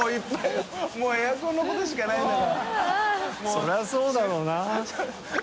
そりゃそうだろうな。